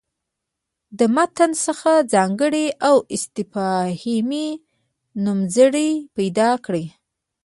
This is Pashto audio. له متن څخه ځانګړي او استفهامي نومځړي پیدا کړي.